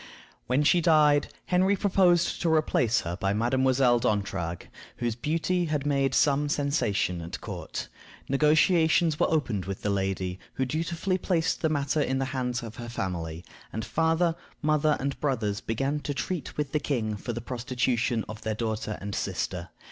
When she died, Henry proposed to replace her by Mademoiselle D'Entragues, whose beauty had made some sensation at court. Negotiations were opened with the lady, who dutifully placed the matter in the hands of her family, and father, mother, and brothers began to treat with the king for the prostitution of their daughter and sister.